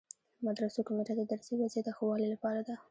مدرسو کمیټه د درسي وضعیت د ښه والي لپاره ده.